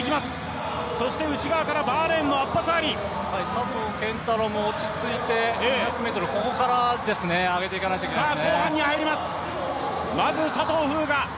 佐藤拳太郎も落ち着いて、２００ｍ、ここから上げていかないといけないですね。